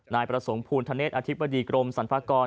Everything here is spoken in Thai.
นายประสงค์ภูณธเนศอธิบดีกรมสรรพากร